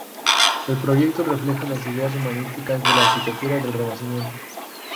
El proyecto refleja los ideales humanísticos de la arquitectura del Renacimiento.